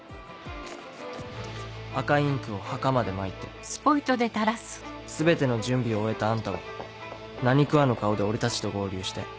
赤インクを墓までまいて全ての準備を終えたあんたは何食わぬ顔で俺たちと合流して。